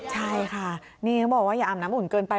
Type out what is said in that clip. ใช่ค่ะนี่เขาบอกว่าอย่าอาบน้ำอุ่นเกินไป